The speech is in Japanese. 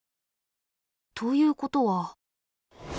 ということは。